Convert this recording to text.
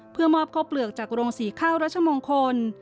เพื่อมอบข้าวเปลือกจากโรงสีข้าวรัชมงคล